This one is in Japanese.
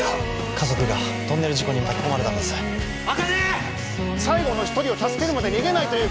家族がトンネル事故に巻き込まれたんです茜！